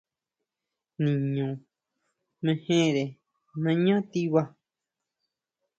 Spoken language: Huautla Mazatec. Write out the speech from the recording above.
Niño mejere nañá tiba.